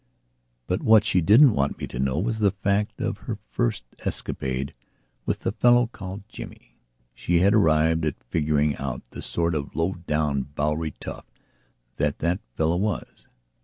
But what she didn't want me to know was the fact of her first escapade with the fellow called Jimmy. She had arrived at figuring out the sort of low down Bowery tough that that fellow was.